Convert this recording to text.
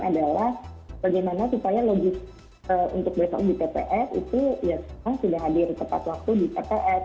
adalah bagaimana supaya logis untuk besok di tps itu ya sekarang sudah hadir tepat waktu di tps